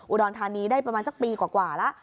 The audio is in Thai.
อุดรธานีได้ประมาณสักปีกว่าแล้ว